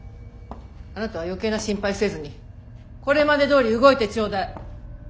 あなたは余計な心配せずにこれまでどおり動いてちょうだい。